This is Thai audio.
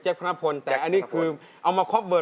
จะคอปเวิร์ดหรือจะคอปเวอร์